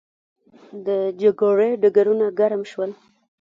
د جګړې ډګرونه ګرم شول.